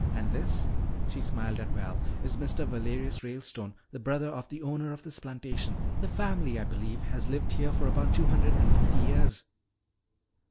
And this," she smiled at Val, "is Mr. Valerius Ralestone, the brother of the owner of this plantation. The family, I believe, has lived here for about two hundred and fifty years."